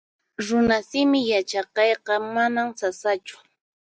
Runasimi yachaqayqa manan sasachu